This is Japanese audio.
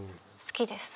「好きです」？